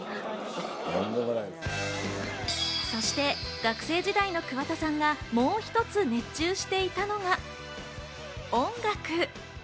そして学生時代の桑田さんがもう一つ熱中していたのが音楽。